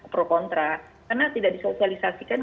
pro kontra karena tidak disosialisasikan